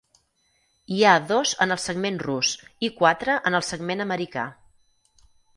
Hi ha dos en el segment rus i quatre en el segment americà.